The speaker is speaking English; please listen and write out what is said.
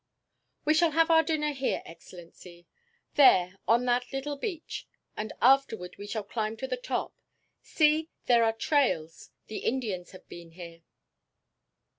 "We shall have our dinner here, Excellency. There on that little beach; and afterward we shall climb to the top. See, there are trails! The Indians have been here."